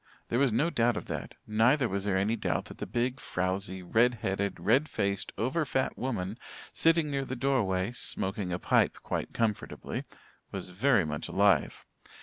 There was no doubt of that; neither was there any doubt that the big, frowzy, red headed, red faced, over fat woman sitting near the door way, smoking a pipe quite comfortably, was very much alive.